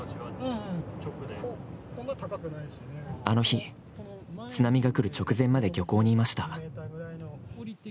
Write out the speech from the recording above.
あの日、津波が来る直前まで漁港にいました。